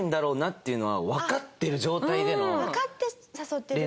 わかって誘ってるんだ。